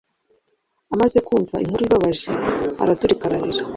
amaze kumva inkuru ibabaje, araturika ararira